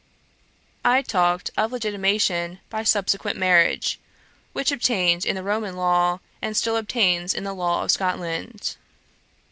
I talked of legitimation by subsequent marriage, which obtained in the Roman law, and still obtains in the law of Scotland.